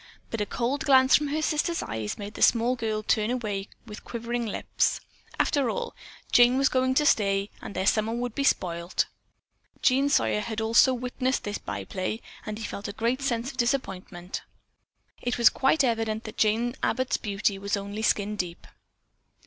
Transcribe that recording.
But a cold glance from her sister's eyes made the small girl turn away with quivering lips. After all Jane was going to stay and their summer would be spoiled. Jean Sawyer had also witnessed this by play and he felt a sense of great disappointment. It was quite evident that Jane Abbott's beauty was only skin deep.